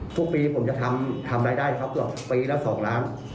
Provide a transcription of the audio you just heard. ทุกปีผมจะทำรายได้ครับปีละ๒ล้าน